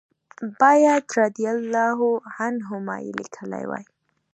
باید رضی الله عنهما یې لیکلي وای.